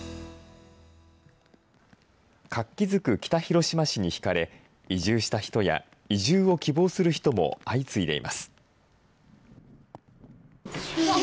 活気づく北広島市に引かれ、移住した人や、移住を希望する人も相次いでいます。